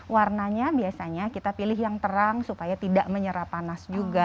warnanya biasanya kita pilih yang terang supaya tidak menyerap panas juga